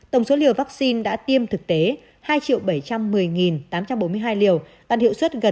tổng số liều vaccine đã tiêm thực tế hai bảy trăm một mươi tám trăm bốn mươi hai liều đạt hiệu suất gần một trăm linh sáu sáu mươi năm